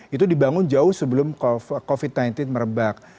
itu dibangun jauh sebelum covid sembilan belas merebak